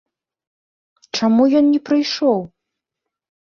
Чаму ён не прыйшоў?